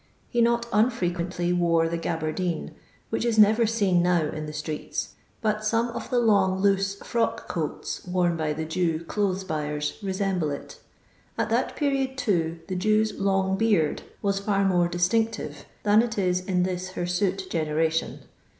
He not unfre quently wore the gabardine, which is never seen now in the streets, bnt some of the long loose frock coats worn by the Jew clothes' buyers re semble it At that period, too, the Jew's long beard was far more distinctiva^lhaii it ia in thia hirsute generation.